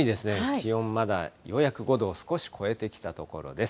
気温まだ、ようやく５度を少し超えてきたところです。